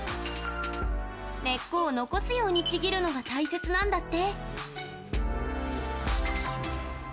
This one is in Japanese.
根っこを残すようにちぎるのが大切なんだって。